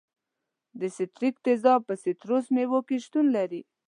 د ستریک تیزاب په سیتروس میوو کې شتون لري.